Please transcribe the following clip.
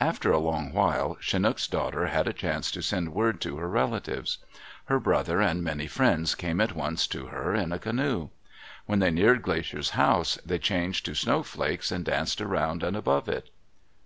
After a long while Chinook's daughter had a chance to send word to her relatives. Her brother and many friends came at once to her in a canoe. When they neared Glacier's house, they changed to snowflakes and danced around and above it.